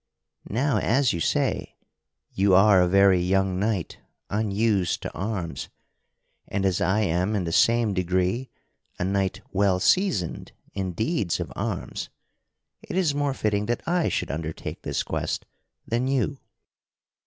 Now, as you say, you are a very young knight unused to arms, and as I am in the same degree a knight well seasoned in deeds of arms, it is more fitting that I should undertake this quest than you.